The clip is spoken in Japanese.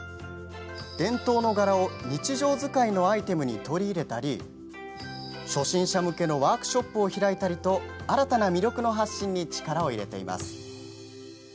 伝統の柄を日常使いのアイテムに取り入れたり初心者向けのワークショップを開いたりと新たな魅力の発信に力を入れています。